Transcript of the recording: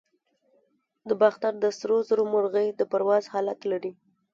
د باختر د سرو زرو مرغۍ د پرواز حالت لري